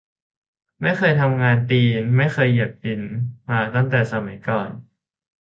ไม่เคยทำงาน ตีนไม่เคยเหยียบดินมาแต่สมัยก่อน